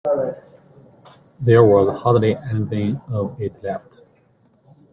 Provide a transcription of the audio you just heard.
There was hardly any of it left.